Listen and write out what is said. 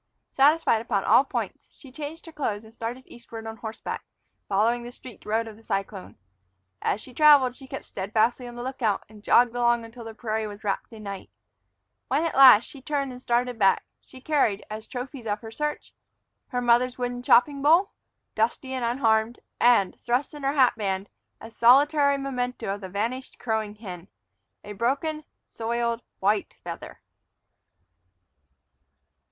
Satisfied upon all points, she changed her clothes and started eastward on horseback, following the streaked road of the cyclone. As she traveled, she kept steadfastly on the lookout, and jogged along until the prairie was wrapped in night. When, at last, she turned and started back, she carried, as trophies of her search, her mother's wooden chopping bowl, dusty and unharmed, and, thrust in her hat band, a solitary memento of the vanished crowing hen, a broken, soiled white feather.